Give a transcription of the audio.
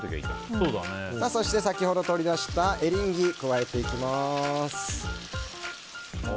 そして、先ほど取り出したエリンギを加えていきます。